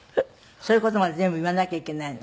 そういう事まで全部言わなきゃいけないの？